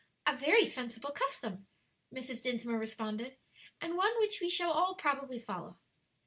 "A very sensible custom," Mrs. Dinsmore responded, "and one which we shall all probably follow."